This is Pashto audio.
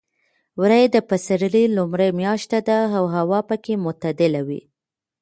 وری د پسرلي لومړۍ میاشت ده او هوا پکې معتدله وي.